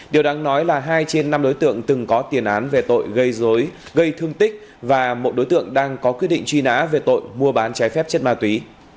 điều đáng nói là hai trên năm đối tượng từng có tiền án về tội gây dối gây thương tích và một đối tượng đang có quyết định truy nã về tội mua bán trái phép chất ma túy